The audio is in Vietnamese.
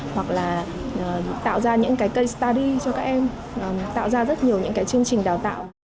hoặc là tạo ra những cái k study cho các em tạo ra rất nhiều những cái chương trình đào tạo